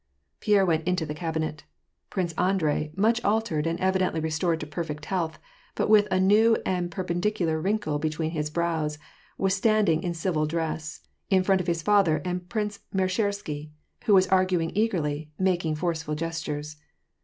Pierre went into the cabinet. Prince Andrei, much altered, and evidently restored to perfect health, but with a new and perpendicular wrinkle between his brows, was standing, in civil dress, in front of his father and Prince Meshchersky, and was arguing eagerly, making forceful gestures.